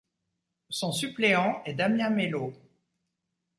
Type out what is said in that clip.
Son suppléant est Damien Meslot.